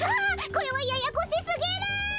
これはややこしすぎる！